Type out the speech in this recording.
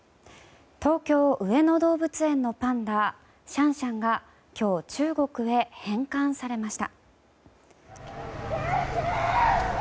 東京・上野動物園のパンダシャンシャンが今日、中国へ返還されました。